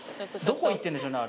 どこ行ってんでしょうね